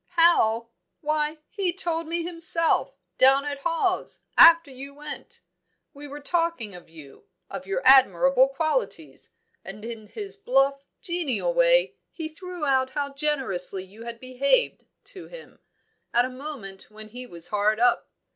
"How? Why, he told me himself, down at Hawes, after you went. We were talking of you, of your admirable qualities, and in his bluff, genial way he threw out how generously you had behaved to him, at a moment when he was hard up.